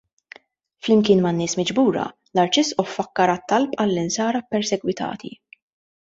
Flimkien man-nies miġbura, l-Arċisqof fakkar għat-talb għall-Insara ppersegwitati.